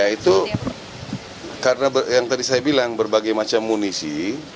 itu karena yang tadi saya bilang berbagai macam munisi